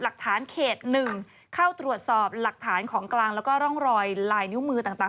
หลักฐานเขต๑เข้าตรวจสอบหลักฐานของกลางแล้วก็ร่องรอยลายนิ้วมือต่าง